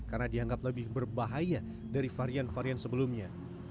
karena dianggap lebih berbahaya dari varian varian sebelumnya